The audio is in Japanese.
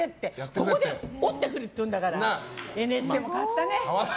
ここで折ってくれっていうからＮＨＫも変わったね。